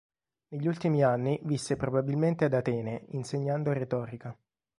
Negli ultimi anni visse probabilmente ad Atene insegnando retorica.